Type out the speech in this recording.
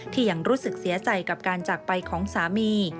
ยังรู้สึกเสียใจกับการจากไปของสามี